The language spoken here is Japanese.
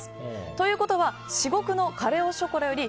ということは至極のカレ・オ・ショコラより